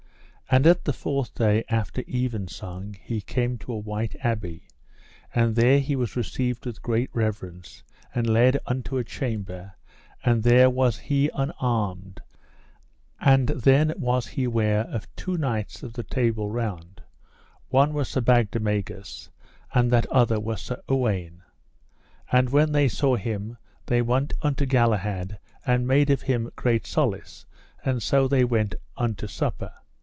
And at the fourth day after evensong he came to a White Abbey, and there he was received with great reverence, and led unto a chamber, and there was he unarmed; and then was he ware of two knights of the Table Round, one was Sir Bagdemagus, and Sir Uwaine. And when they saw him they went unto Galahad and made of him great solace, and so they went unto supper.